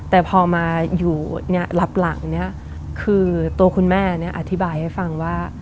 แต่พอมาอยู่เนี่ยรับหลังเนี่ยคือตัวคุณแม่เนี่ยอธิบายให้ฟังว่า